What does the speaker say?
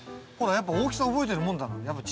ほらやっぱ大きさ覚えてるもんだな。